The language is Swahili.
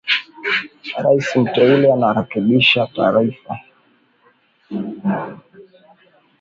Rais mteule anakaribisha taarifa